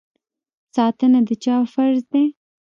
ساتنه د چا فرض دی؟